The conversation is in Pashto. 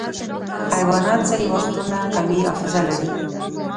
حیوانات ځینې وختونه قوي حافظه لري.